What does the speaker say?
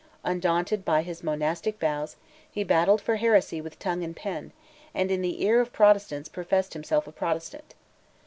Undaunted by his monastic vows, he battled for heresy with tongue and pen, and in the ear of Protestants professed himself a Protestant.